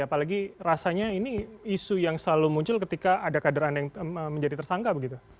apalagi rasanya ini isu yang selalu muncul ketika ada kader anda yang menjadi tersangka begitu